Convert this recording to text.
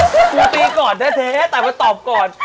กูตีก่อนแท้แต่มาตอบก่อน